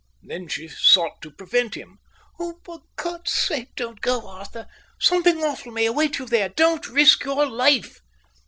Then she sought to prevent him. "Oh, for God's sake, don't go, Arthur. Something awful may await you there. Don't risk your life."